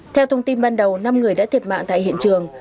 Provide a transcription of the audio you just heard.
theo thông tin ban đầu năm người đã thiệt mạng tại hiện trường